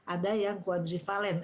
ada yang quadrivalent